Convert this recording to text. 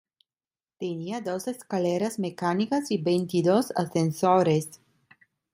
Tenía dos escaleras mecánicas y veintidós ascensores.